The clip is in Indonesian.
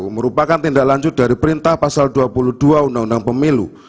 merupakan tindak lanjut dari perintah pasal dua puluh dua undang undang pemilu